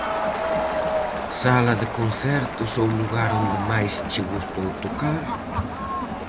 Sala de concertos ou lugar onde máis che gustou tocar?